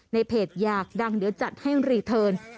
เพจอยากดังเดี๋ยวจัดให้รีเทิร์น